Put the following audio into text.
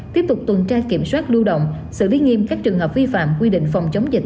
tiếp tục tuần tra kiểm soát lưu động xử lý nghiêm các trường hợp vi phạm quy định phòng chống dịch